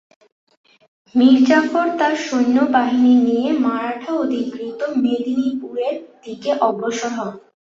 মীর জাফর তার সৈন্যবাহিনী নিয়ে মারাঠা-অধিকৃত মেদিনীপুরের দিকে অগ্রসর হন।